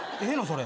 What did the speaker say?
それ。